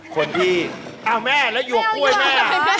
คนที่อ้าวแม่แล้วหยวกกล้วยแม่